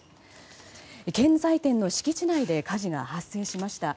建材店の敷地内で火事が発生しました。